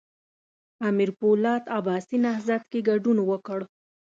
امیر پولاد عباسي نهضت کې ګډون وکړ.